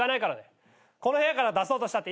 この部屋から出そうとしたって意味ないよ。